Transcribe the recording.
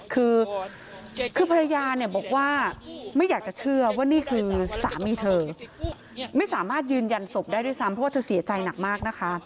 คือคือภรรยาเนี่ยบอกว่าไม่อยากจะเชื่อว่านี่คือสามีเธอไม่สามารถยืนยันศพได้ด้วยซ้ำเพราะว่าเธอเสียใจหนักมากนะคะ